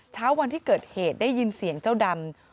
เช้าวันที่เกิดเหตุได้ยินเสียงเจ้าดำ